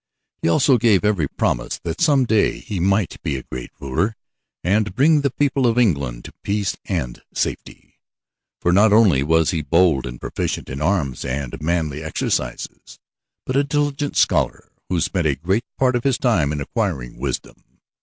He also gave every promise that some day he might be a great ruler and bring the people of England to peace and safety, for not only was he bold and proficient in arms and manly exercises, but a diligent scholar, who spent a great part of his time in acquiring wisdom.